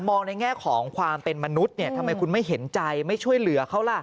มองในแง่ของความเป็นมนุษย์ทำไมคุณไม่เห็นใจไม่ช่วยเหลือเขาล่ะ